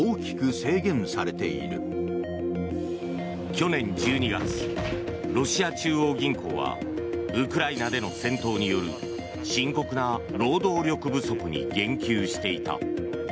去年１２月、ロシア中央銀行はウクライナでの戦闘による深刻な労働力不足に言及していた。